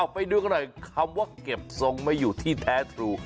ไปดูกันหน่อยคำว่าเก็บทรงไม่อยู่ที่แท้ทรู